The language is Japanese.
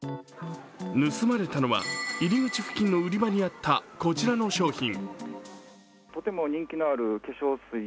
盗まれたのは、入り口付近の売り場にあったこちらの商品。